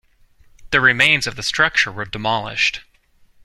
The remains of the structure were demolished.